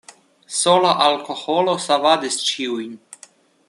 Sola alkoholo savadis ĉiujn.